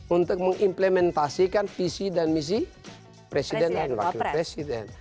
untuk mengimplementasikan visi dan misi presiden dan wakil presiden